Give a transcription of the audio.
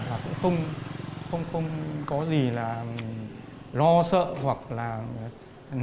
lê thị thuận